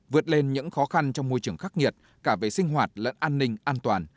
vượt lên những khó khăn trong môi trường khắc nghiệt cả về sinh hoạt lẫn an ninh an toàn